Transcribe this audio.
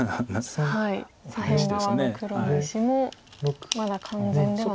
左辺側の黒の大石もまだ完全ではない。